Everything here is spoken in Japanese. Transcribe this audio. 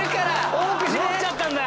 多く搾っちゃったんだ。